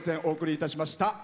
お送りいたしました。